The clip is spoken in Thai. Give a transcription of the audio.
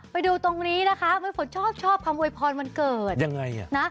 ไปดูตรงนี้นะคะโอยฟนชอบคำโอยพรวันเกิด